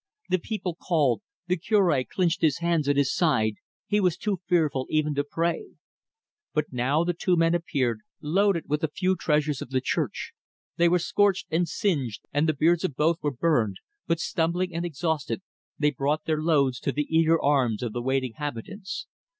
The people called; the Cure clinched his hands at his side he was too fearful even to pray. But now the two men appeared, loaded with the few treasures of the church. They were scorched and singed, and the beards of both were burned, but, stumbling and exhausted, they brought their loads to the eager arms of the waiting habitants.